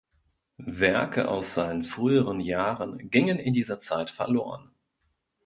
Werke aus seinen früheren Jahren gingen in dieser Zeit verloren.